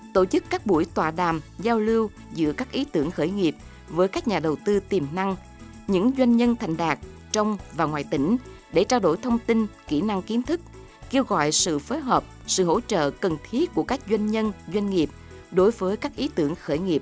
tổ chức các buổi tòa đàm giao lưu giữa các ý tưởng khởi nghiệp với các nhà đầu tư tiềm năng những doanh nhân thành đạt trong và ngoài tỉnh để trao đổi thông tin kỹ năng kiến thức kêu gọi sự phối hợp sự hỗ trợ cần thiết của các doanh nhân doanh nghiệp đối với các ý tưởng khởi nghiệp